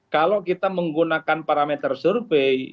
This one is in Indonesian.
kalau kita menggunakan parameter survei